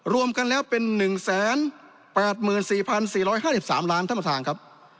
รวมกันแล้วเป็น๑๘๔๔๕๓ล้านธรรมทางครับ